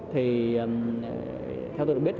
thì theo tôi biết